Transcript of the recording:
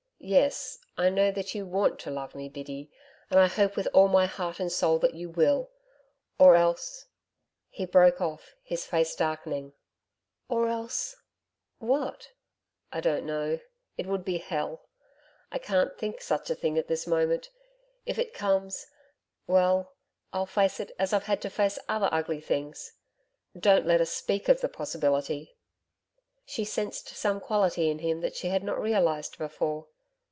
'Yes, I know that you WANT to love me Biddy, and I hope with all my heart and soul that you will or else ' he broke off, his face darkening. 'Or else what?' 'I don't know. It would be hell. I can't think such a thing at this moment. If it comes well, I'll face it as I've had to face other ugly things. Don't let us speak of the possibility!' She sensed some quality in him that she had not realised before.